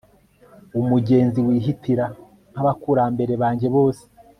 umugenzi wihitira nk'abakurambere banjye bose